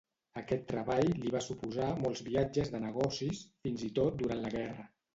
Aquest treball li va suposar molts viatges de negocis, fins i tot durant la guerra.